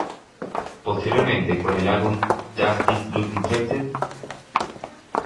Posteriormente con el álbum Does This Look Infected?